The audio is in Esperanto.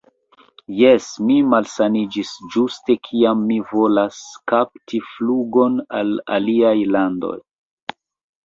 Jes, mi malsaniĝis ĝuste kiam mi volas kapti flugon al aliaj landoj